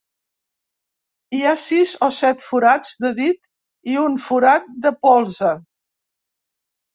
Hi ha sis o set forats de dit i un forat de polze.